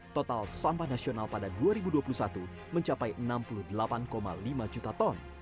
total sampah nasional pada dua ribu dua puluh satu mencapai enam puluh delapan lima juta ton